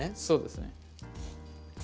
そうですね。